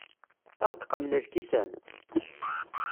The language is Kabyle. Ad aɣ-d-qamen lkisan?